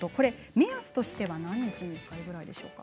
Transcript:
目安としては何日に１回くらいでしょうか。